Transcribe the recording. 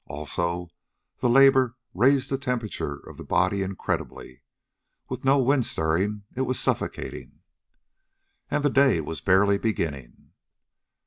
Also the labor raised the temperature of the body incredibly. With no wind stirring it was suffocating. And the day was barely beginning!